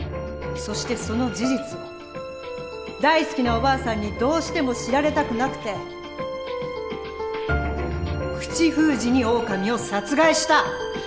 そしてその事実を大好きなおばあさんにどうしても知られたくなくて口封じにオオカミを殺害した！